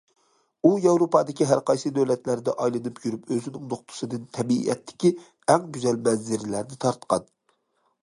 ئۇ ياۋروپادىكى ھەرقايسى دۆلەتلەردە ئايلىنىپ يۈرۈپ ئۆزىنىڭ نۇقتىسىدىن تەبىئەتتىكى ئەڭ گۈزەل مەنزىرىلەرنى تارتقان.